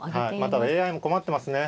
ただＡＩも困ってますね。